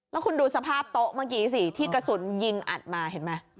แล้วคุณดูสภาพโต๊ะเมื่อกี้สิที่กระสุนยิงอัดมาเห็นไหม